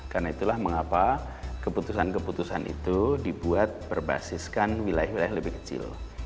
karena itulah mengapa keputusan keputusan itu dibuat berbasiskan wilayah wilayah lebih kecil